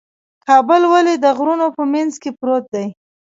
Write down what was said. کابل ولې د غرونو په منځ کې پروت دی؟